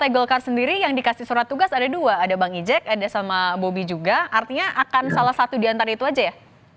partai golkar sendiri yang dikasih surat tugas ada dua ada bang ijek ada sama bobi juga artinya akan salah satu diantara itu aja ya